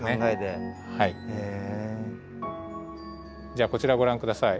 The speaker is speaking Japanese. じゃあこちらご覧下さい。